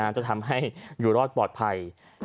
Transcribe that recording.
จะทำให้อยู่รอดปลอดภัย